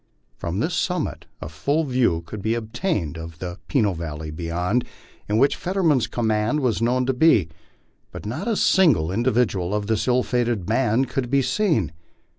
From this summit a full view could be obtained of the Peno valley beyond, in which Fetterman's command was known to be, but not a single individual of this ill fated band could be seen.